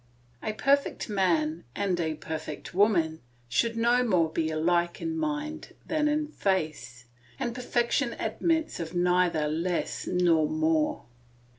A perfect man and a perfect woman should no more be alike in mind than in face, and perfection admits of neither less nor more.